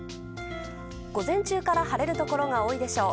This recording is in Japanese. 午前中から晴れるところが多いでしょう。